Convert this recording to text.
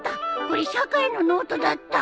これ社会のノートだった